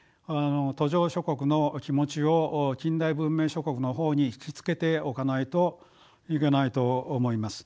途上諸国の気持ちを近代文明諸国の方に引き付けておかないといけないと思います。